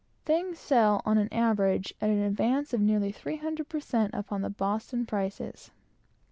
Things sell, on an average, at an advance of nearly three hundred per cent upon the Boston prices.